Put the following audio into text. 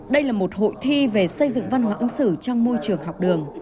đây là một hội thi về xây dựng văn hóa ứng xử trong môi trường học đường